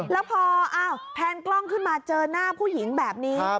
แล้วพอแพนกล้องขึ้นมาเจอหน้าผู้หญิงแบบนี้